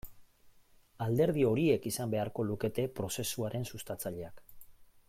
Alderdi horiek izan beharko lukete prozesuaren sustatzaileak.